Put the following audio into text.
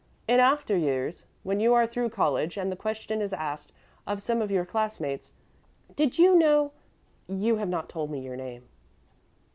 In after years, when you are through college and the question is asked of some of your class mates, 'Did you know ' You have not told me your name."